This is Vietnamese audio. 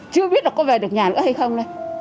chưa biết là có về được nhà nữa hay không đây